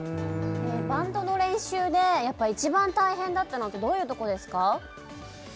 バンドの練習でやっぱ一番大変だったのってどういうとこですか？